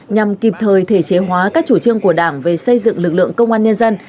nhằm kịp thời thể chế hóa các chủ trương của đảng về xây dựng lực lượng công an nhân dân